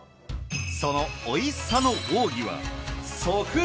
そのおいしさの奥義は。